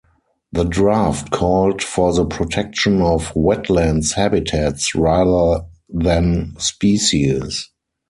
The draft called for the protection of wetlands habitats rather than species.